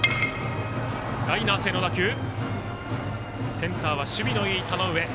センターは守備のいい田上。